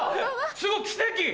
すごい奇跡！